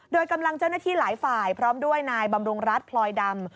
โดยกำลังเจ้าหน้าที่หลายฝ่ายพร้อมด้วยนายบำรุงรัฐพลอยดำ